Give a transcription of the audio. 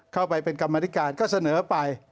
เข้าไปเป็นกรรมธิการก็เสนอไป